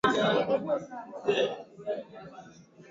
wakati wa kupona kutoka kwa shida Waturuki wa Meskhetian